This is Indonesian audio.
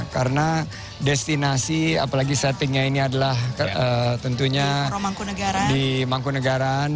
karena destinasi apalagi settingnya ini adalah tentunya di mangkunagaran